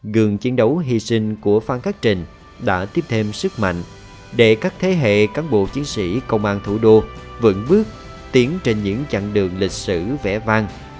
gương chiến đấu hy sinh của phan khắc trình đã tiếp thêm sức mạnh để các thế hệ cán bộ chiến sĩ công an thủ đô vững bước tiến trên những chặng đường lịch sử vẽ vang